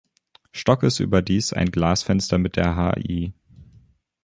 Stockes überdies ein Glasfenster mit der Hl.